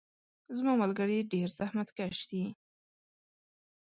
زما ملګري ډیر زحمت کش دي.